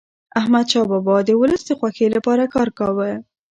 احمدشاه بابا د ولس د خوښی لپاره کار کاوه.